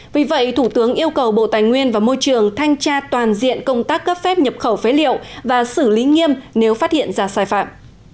vì vậy thủ tướng yêu cầu bộ tài nguyên và môi trường thanh tra toàn diện công tác cấp phép nhập khẩu phế liệu và xử lý nghiêm nếu phát hiện ra sai phạm